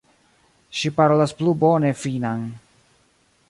Ŝi parolas plu bone finnan.